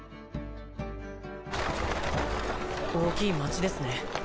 大きい町ですね